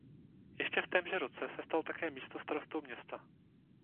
Ještě v témže roce se stal také místostarostou města.